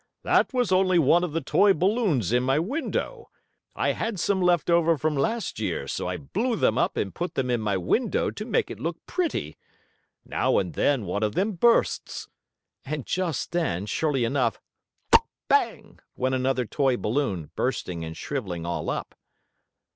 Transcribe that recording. "That was only one of the toy balloons in my window. I had some left over from last year, so I blew them up and put them in my window to make it look pretty. Now and then one of them bursts." And just then, surely enough, "Pop! Bang!" went another toy balloon, bursting and shriveling all up.